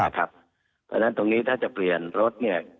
เพราะฉะนั้นตรงนี้ถ้าจะเปลี่ยนรถ